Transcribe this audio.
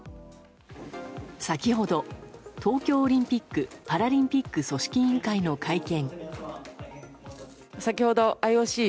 先ほど、東京オリンピック・パラリンピック組織委員会の会見。